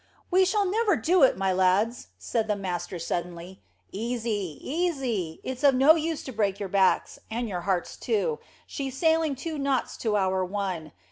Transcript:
"We shall never do it, my lads," said the master suddenly. "Easy easy. It's of no use to break your backs, and your hearts too. She's sailing two knots to our one.